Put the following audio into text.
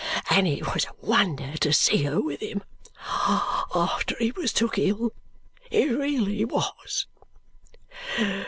And it was a wonder to see her with him after he was took ill, it really was!